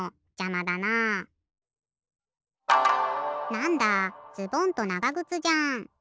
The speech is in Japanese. なんだズボンとながぐつじゃん。